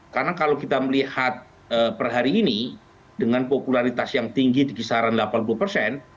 karena kalau kita melihat per hari ini dengan popularitas yang tinggi di kisaran delapan puluh persen